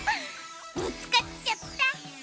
みつかっちゃった！